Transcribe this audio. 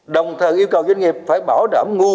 đồng thời yêu cầu doanh nghiệp phải bảo đảm mua